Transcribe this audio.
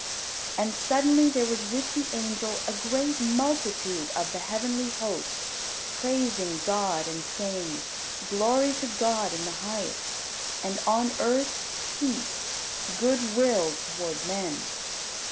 And suddenly there was with the angel a great multitude of the heavenly host praising God and saying, "Glory to God in the highest, and on earth peace, good will toward men."